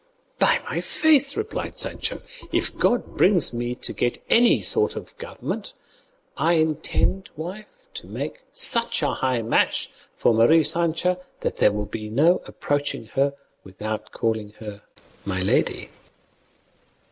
"By my faith," replied Sancho, "if God brings me to get any sort of a government, I intend, wife, to make such a high match for Mari Sancha that there will be no approaching her without calling her 'my lady."